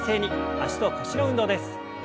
脚と腰の運動です。